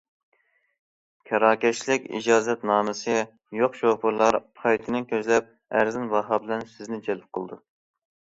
كىراكەشلىك ئىجازەتنامىسى يوق شوپۇرلار پايدىنى كۆزلەپ، ئەرزان باھا بىلەن سىزنى جەلپ قىلىدۇ.